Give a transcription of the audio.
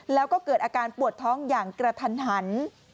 แล้วก็เกิดอาการปวดท้องอย่างกระทันหัน